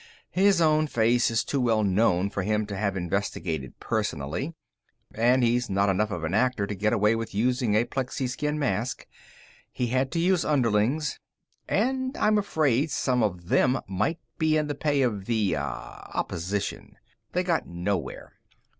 His own face is too well known for him to have investigated personally, and he's not enough of an actor to get away with using a plexiskin mask. He had to use underlings. And I'm afraid some of them might be in the pay of the ... ah ... opposition. They got nowhere."